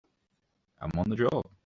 I'm on the job!